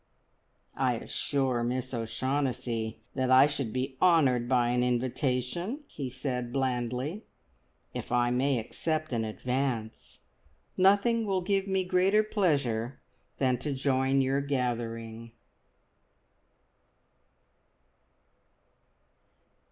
"I assure Miss O'Shaughnessy that I should be honoured by an invitation," he said blandly, "if I may accept in advance. Nothing will give me greater pleasure than to join your gathering."